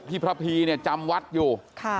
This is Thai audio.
พระพีเนี่ยจำวัดอยู่